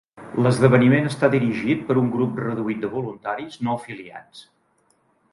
L'esdeveniment està dirigit per un grup reduït de voluntaris no afiliats.